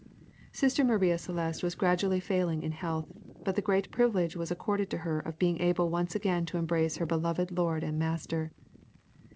] Sister Maria Celeste was gradually failing in health, but the great privilege was accorded to her of being able once again to embrace her beloved lord and master.